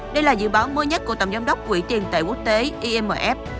đây là dự báo mới nhất của tổng giám đốc quỹ tiền tại quốc gia